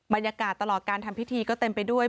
บรรยากาศตลอดการทำพิธีก็เต็มไปด้วย